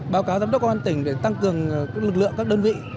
báo cáo giám đốc công an tỉnh để tăng cường lực lượng các đơn vị